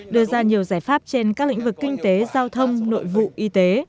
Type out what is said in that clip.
đưa ra nhiều giải pháp trên các lĩnh vực kinh tế